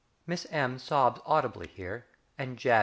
(_~Miss M.~ sobs audibly, here, and ~JAB.